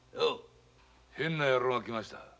変な野郎が来ました。